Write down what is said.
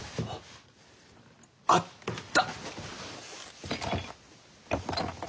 あった！